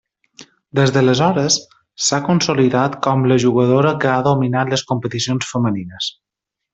Des d'aleshores, s'ha consolidat com la jugadora que ha dominat les competicions femenines.